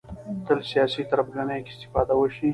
تل سیاسي تربګنیو کې استفاده وشي